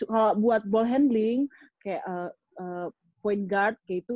kalau buat ball handling kayak point guard kayak itu